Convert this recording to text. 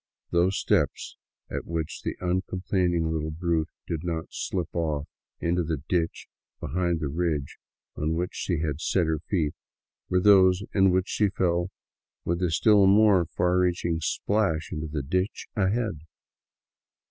Those steps at which the uncomplaining little brute did not slip off into the ditch behind the ridge on which she had set her feet were those in which she fell with a still more far reaching splash into the ditch ahead.